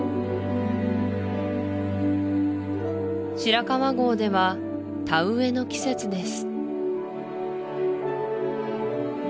白川郷では田植えの季節です